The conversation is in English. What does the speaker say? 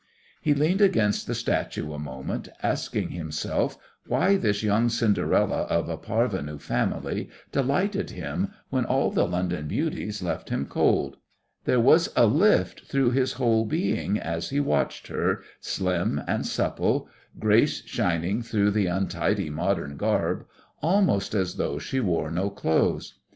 He leaned against the statue a moment, asking himself why this young Cinderella of a parvenu family delighted him when all the London beauties left him cold. There was a lift through his whole being as he watched her, slim and supple, grace shining through the untidy modern garb almost as though she wore no clothes.